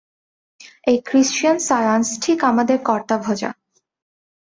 এই Christian science ঠিক আমাদের কর্তাভজা।